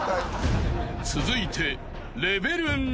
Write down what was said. ［続いて］